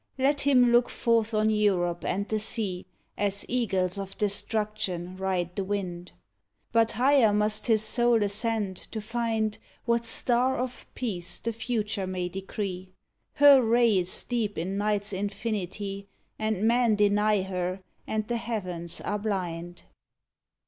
Let him look forth on Europe and the sea, As eagles of destruction ride the wind; But higher must his soul ascend to find What star of peace the future may decree : Her ray is deep in night s infinity, And men deny her, and the heavens are blind.